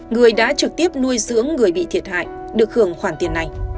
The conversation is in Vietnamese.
người đã trực tiếp nuôi dưỡng người bị thiệt hại được hưởng khoản tiền này